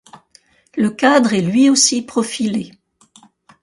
Le cadre est lui aussi profilé.